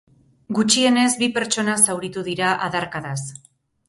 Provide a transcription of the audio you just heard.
Gutxienez bi pertsona zauritu dira adarkadaz.